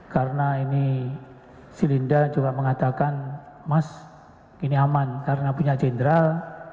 karena ini si linda juga mengatakan mas ini aman karena punya general